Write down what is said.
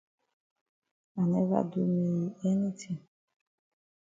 I never do me yi anytin.